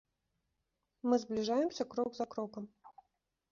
Мы збліжаемся крок за крокам.